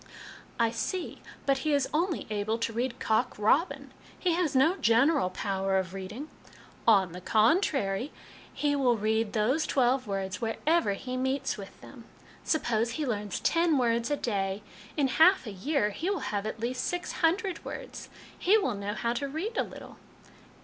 " I see ; but he is only able to read ' Cock Robin '; he has no general power of reading." " On the contrary, he will read those twelve words wherever he meets with them. Suppose he learns ten words a day, in half a year he will have at least six hundred words ; he will know how to read a little."